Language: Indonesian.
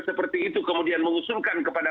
seperti itu kemudian mengusulkan kepada